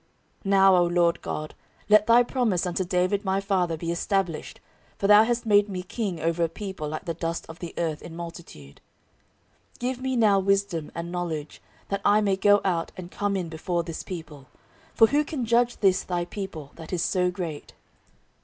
14:001:009 Now, O LORD God, let thy promise unto David my father be established: for thou hast made me king over a people like the dust of the earth in multitude. 14:001:010 Give me now wisdom and knowledge, that I may go out and come in before this people: for who can judge this thy people, that is so great?